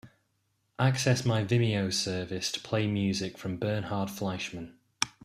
Access my Vimeo service to play music from Bernhard Fleischmann